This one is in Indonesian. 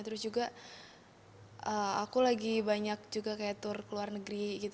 terus juga aku lagi banyak tour ke luar negeri